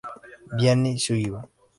Diane Sullivan.